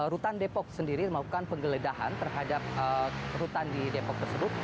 rutan depok sendiri melakukan penggeledahan terhadap rutan di depok tersebut